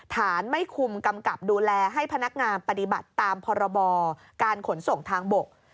ไม่คุมกำกับดูแลให้พนักงานปฏิบัติตามพรบการขนส่งทางบก